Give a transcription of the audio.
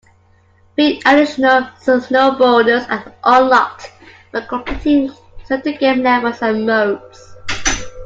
Three additional snowboarders are unlocked by completing certain game levels and modes.